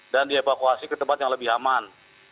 dan dievakuasi ke tempat yang lebih aman